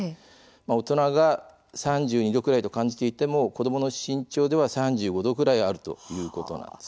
大人が３２度くらいと感じていても子どもの身長では３５度ぐらいあるということなんです。